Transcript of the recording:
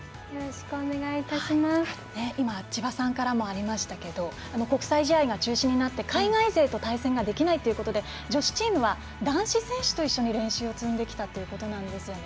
千葉さんからもありましたけど国際試合が中止になって海外勢と対戦ができないということで女子チームは男子選手と一緒に練習を積んできたということなんですよね。